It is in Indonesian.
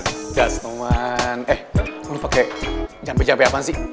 nice cerdas teman eh lu pake jampe jampe apaan sih